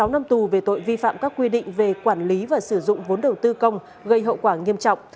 sáu năm tù về tội vi phạm các quy định về quản lý và sử dụng vốn đầu tư công gây hậu quả nghiêm trọng